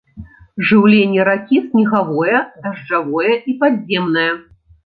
Жыўленне ракі снегавое, дажджавое і падземнае.